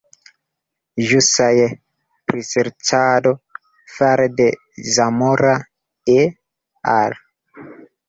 Ĵusaj priserĉado fare de Zamora "et al.